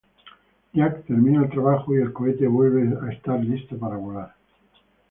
Jack termina el trabajo, y el cohete vuelve estar listo para volar.